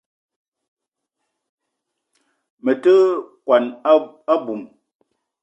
Me te kwuan a-bum